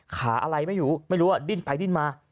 ขาอะไรไม่รู้ดินไปดินมา